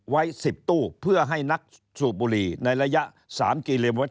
ไว้๑๐ตู้เพื่อให้นักสูบบุหรี่ในระยะ๓กิโลเมตร